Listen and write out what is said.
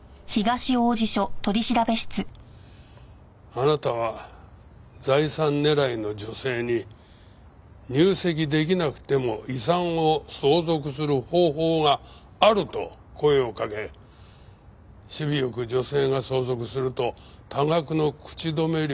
あなたは財産狙いの女性に入籍出来なくても遺産を相続する方法があると声をかけ首尾よく女性が相続すると多額の口止め料を要求していた。